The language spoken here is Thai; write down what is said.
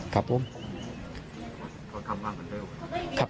เขาทำงานเร็วเหรอ